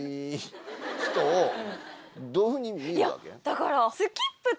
だから。